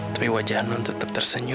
tapi wajah anun tetap tersenyum